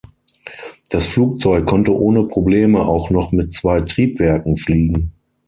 Das Flugzeug konnte ohne Probleme auch noch mit zwei Triebwerken fliegen.